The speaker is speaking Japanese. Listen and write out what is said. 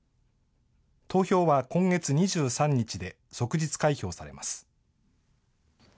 投票は今月２３日で、即日開票されます。